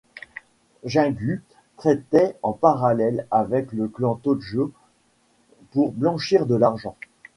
Jingu traitait en parallèle avec le clan Tōjō pour blanchir de l'argent.